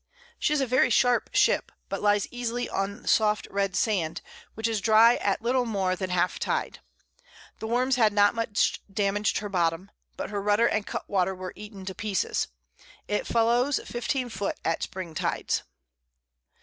She is a very sharp Ship, but lies easy on soft red Sand, which is dry at little more than half Tide. The Worms had not much damag'd her Bottom, but her Rudder and Cut water were eaten to pieces. It flows 15 Foot at Spring Tides.